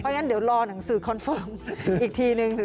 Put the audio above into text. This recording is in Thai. งั้นเดี๋ยวรอหนังสือคอนเฟิร์มอีกทีนึง